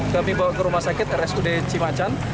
kami bawa ke rumah sakit rsud cimacan